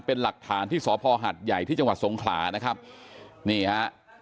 เป็นหลักฐานที่สพหัดใหญ่ที่จังหวัดสงขลานะครับนี่ฮะ